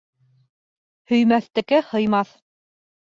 Һөймәҫтеке һыймаҫ.